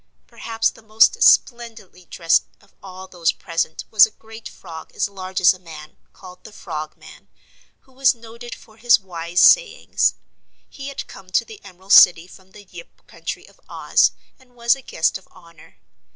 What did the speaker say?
Perhaps the most splendidly dressed of all those present was a great frog as large as a man, called the Frogman, who was noted for his wise sayings. He had come to the Emerald City from the Yip Country of Oz and was a guest of honor.